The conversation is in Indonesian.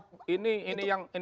bagaimana anda melihat